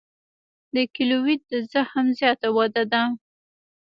د کیلویډ د زخم زیاته وده ده.